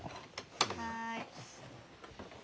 はい。